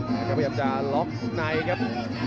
พยายามจะล็อกในครับ